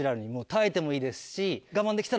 耐えてもいいですし。